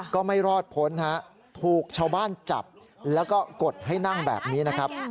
ก็ไม่รอดพ้นฮะถูกชาวบ้านจับแล้วก็กดให้นั่งแบบนี้นะครับ